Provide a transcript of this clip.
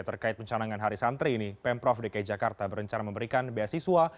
terkait pencanangan hari santri ini pemprov dki jakarta berencana memberikan beasiswa